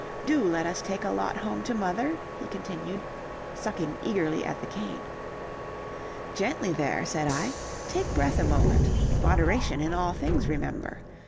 do let us take a lot home to mother," he continued, sucking eagerly at the cane. "Gently there," said I, "take breath a moment, moderation in all things, remember.